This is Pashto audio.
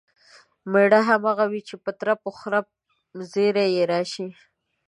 مېړه همغه وي چې د ترپ و خرپ زیري یې راشي.